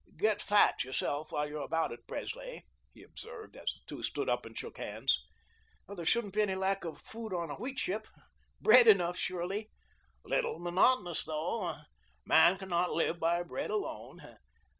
"Get fat yourself while you're about it, Presley," he observed, as the two stood up and shook hands. "There shouldn't be any lack of food on a wheat ship. Bread enough, surely." "Little monotonous, though. 'Man cannot live by bread alone.'